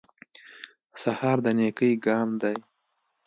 سهار د نېکۍ ګام دی.